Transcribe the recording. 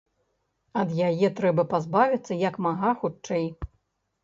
Ад яе трэба пазбавіцца як мага хутчэй.